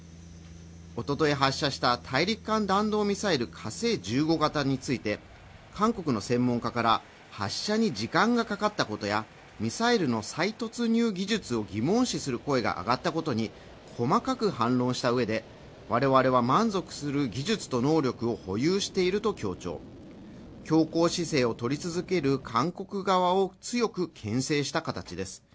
おととい発射した大陸間弾道ミサイル火星１５型について韓国の専門家から発射に時間がかかったことやミサイルの再突入技術を疑問視する声が上がったことに細かく反論したうえで我々は満足する技術と能力を保有していると強調強硬姿勢をとり続ける韓国側を強くけん制した形です